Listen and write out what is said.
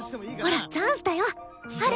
ほらチャンスだよハル！